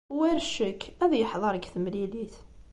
War ccek, ad yeḥdeṛ deg temlilit.